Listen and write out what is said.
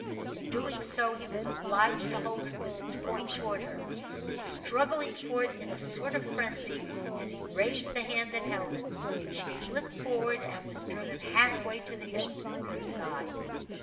In doing so he was obliged to hold it with its point toward her, and struggling for it in a sort of frenzy, as he raised the hand that held it, she slipped forward and it was driven half way to the hilt in her side.